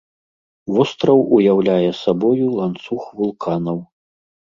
Востраў уяўляе сабою ланцуг вулканаў.